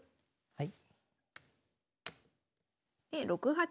はい。